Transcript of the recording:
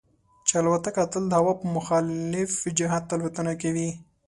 چې الوتکه تل د هوا په مخالف جهت الوتنه کوي.